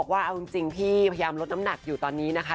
ว่าเอาจริงพี่พยายามลดน้ำหนักอยู่ตอนนี้นะคะ